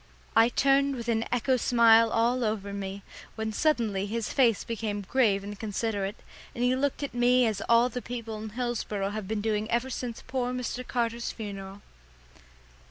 I turned with an echo smile all over me, when suddenly his face became grave and considerate, and he looked at me as all the people in Hillsboro have been doing ever since poor Mr. Carter's funeral.